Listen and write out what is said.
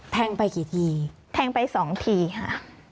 ไปกี่ทีแทงไปสองทีค่ะ